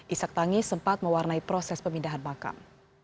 isak tangi sempat mewarnai proses pemindahan bakam